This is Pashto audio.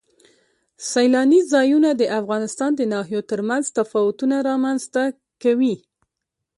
سیلانی ځایونه د افغانستان د ناحیو ترمنځ تفاوتونه رامنځ ته کوي.